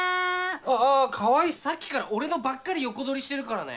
あ川合さっきから俺のばっかり横取りしてるからね。